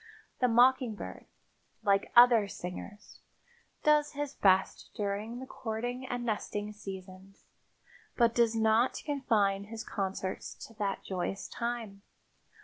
The mockingbird, like other singers, does his best during the courting and nesting seasons, but does not confine his concerts to that joyous time.